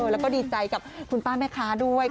แล้วก็ดีใจกับคุณป้าแม่ค้าด้วย